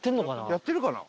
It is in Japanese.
やってるかな？